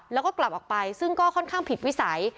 แล้วก็กลับออกไปซึ่งก็ค่อนข้างผิดวิสัย